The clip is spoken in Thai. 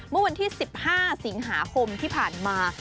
เมื่อวันที่๑๕สิงหาคมที่ผ่านมา